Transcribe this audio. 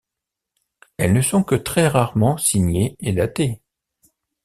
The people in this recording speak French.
Elles ne sont que très rarement signées et datées.